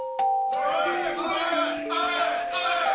おい！